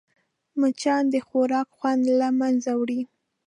مچان د خوراک خوند له منځه وړي